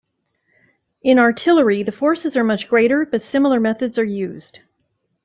In artillery the forces are much greater, but similar methods are used.